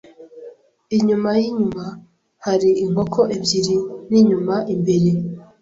Inyuma yinyuma hari inkoko ebyiri ninyuma imbere.